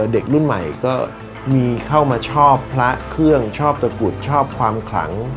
เด็กรุ่นใหม่ก็มีเข้ามาชอบพระเครื่องชอบตะกุดชอบความขลัง